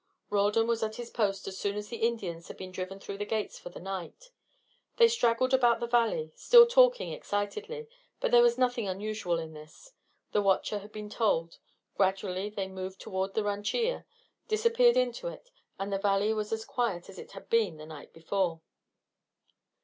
Roldan was at his post as soon as the Indians had been driven through the gates for the night. They straggled about the valley, still talking excitedly; but there was nothing unusual in this, the watcher had been told. Gradually they moved toward the rancheria, disappeared into it, and the valley was as quiet as it had been the night before.